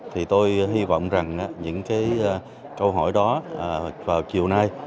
thì tôi hy vọng rằng những cái câu hỏi đó vào chiều nay